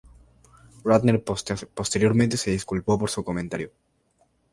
Ratner posteriormente se disculpó por su comentario.